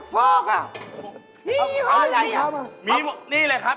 สวัสดีครับสวัสดีฮะผมรัฐทุกคนเลยนะครับผม